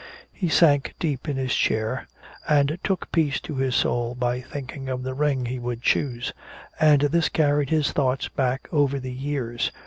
He sank deep in his chair and took peace to his soul by thinking of the ring he would choose. And this carried his thoughts back over the years.